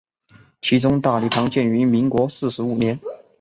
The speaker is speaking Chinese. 其中大礼堂建于民国四十五年。